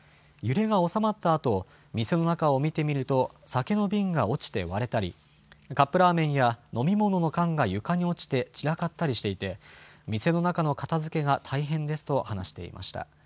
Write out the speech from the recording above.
揺れが収まったあと、店の中を見てみると、酒の瓶が落ちて割れたり、カップラーメンや飲み物の缶が床に落ちて散らかったりしていて、店の中の片づけが大変ですと話していました。